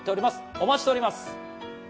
お待ちしております。